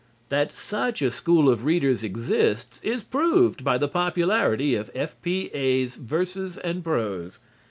That such a school of readers exists is proved by the popularity of F.P.A's verses and prose.